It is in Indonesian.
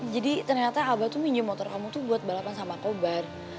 jadi ternyata abah tuh minum motor kamu tuh buat balapan sama cobar